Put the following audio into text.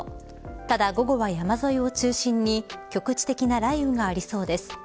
ただ午後は山沿いを中心に局地的な雷雨がありそうです。